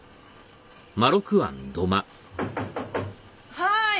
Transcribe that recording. はい。